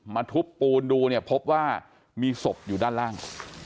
มาทุบปูญดูพบว่ามีศพอยู่ด้านล่าง